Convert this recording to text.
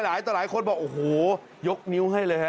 ต่อหลายคนบอกโอ้โหยกนิ้วให้เลยฮะ